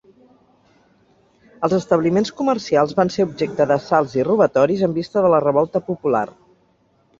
Els establiments comercials van ser objecte d'assalts i robatoris, en vista de la revolta popular.